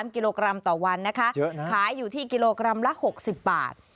กิโลกรัมต่อวันนะคะขายอยู่ที่กิโลกรัมละ๖๐บาท